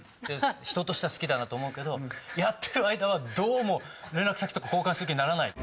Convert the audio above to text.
人としては好きだなと思うけどやってる間はどうも連絡先とか交換する気にならない。